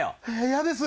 嫌です。